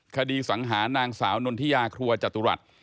คดีสังหาน้างสาวนุ่นที่ยาครัวจตุรรัตน์